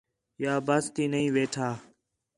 یا بس تی نہیں ویٹھا